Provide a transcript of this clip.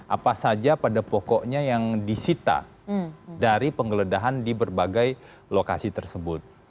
apa saja pada pokoknya yang disita dari penggeledahan di berbagai lokasi tersebut